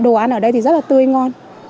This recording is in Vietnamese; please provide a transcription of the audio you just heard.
đồ ăn ở đây thì rất là tươi ngon